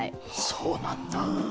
そうなんだ。